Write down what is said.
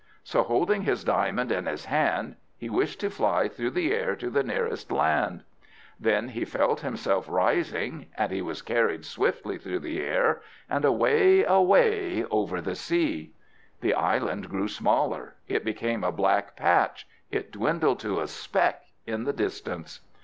So holding his diamond in his hand, he wished to fly through the air to the nearest land. Then he felt himself rising, and he was carried swiftly through the air, and away, away over the sea; the island grew smaller, it became a black patch, it dwindled to a speck in the distance.